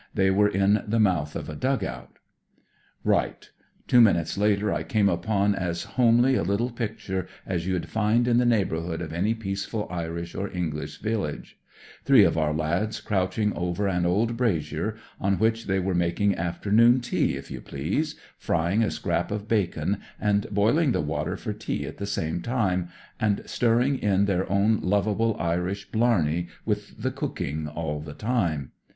They were in the mouth of a dug out. "Right. Two minutes later I came upon as homely a Uttle picture as you'd find in the neighbourhood of any peaceful Irish or English village : three of our lads crouching over an old brazier, on which they were making afternoon tea, if you please, frying a scrap of bacon and boiling the water for tea at the same time, and stirring in their own lovable Irish blarney with the cooking all the time.